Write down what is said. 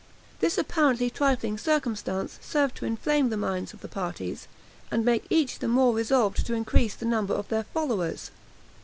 This apparently trifling circumstance served to inflame the minds of the parties, and make each the more resolved to increase the number of their followers.